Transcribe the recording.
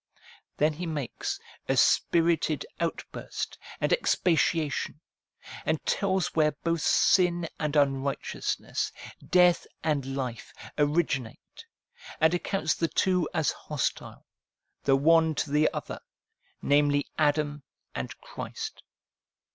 Then he makes a spirited outburst and expatiation, and tells where both sin and unrighteousness, death and life, originate, and accounts the two as hostile the one to the other, namely Adam and Christ.